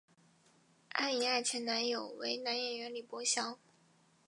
安苡爱前男友为男演员李博翔。